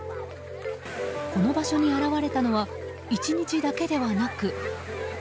この場所に現れたのは１日だけではなく。